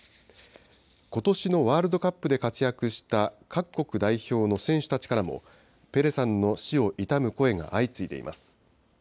ことしのワールドカップで活躍した各国代表の選手たちからも、ペレさんの死を悼む声が相次いでいます。